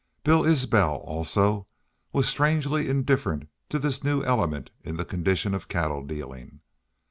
Bill Isbel, also, was strangely indifferent to this new element in the condition of cattle dealing.